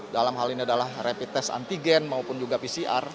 dalam hal ini adalah rapid test antigen maupun juga pcr